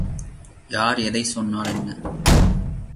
யார் எதைச் சொன்னால் என்ன?